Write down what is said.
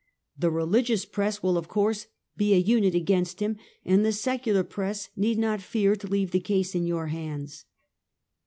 The religious press will, of course, be a unit against him, and the secular press need not fear to leave the case in your hands."